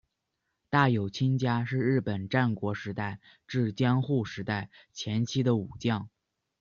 大友亲家是日本战国时代至江户时代前期的武将。